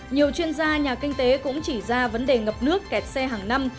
nhiều chuyên gia nhà kinh tế cũng chỉ ra vấn đề ngập nước kẹt xe hàng năm